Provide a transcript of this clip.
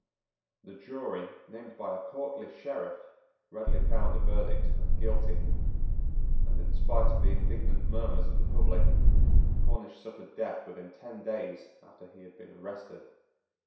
The jury, named by a courtly Sheriff, readily found a verdict of Guilty; and, in spite of the indignant murmurs of the public, Cornish suffered death within ten days after he had been arrested.